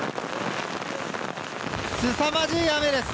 すさまじい雨です。